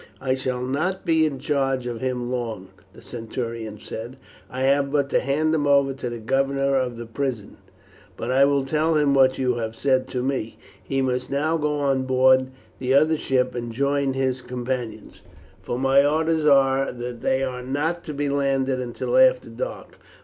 "I shall not be in charge of him long," the centurion said. "I have but to hand him over to the governor of the prison, but I will tell him what you have said to me. He must now go on board the other ship and join his companions, for my orders are that they are not to be landed until after dark."